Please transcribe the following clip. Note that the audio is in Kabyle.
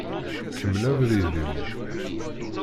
Kemmel abrid-im.